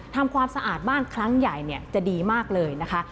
ทำความสะอาดบ้านครั้งใหญ่จะดีมากเลยนะคะ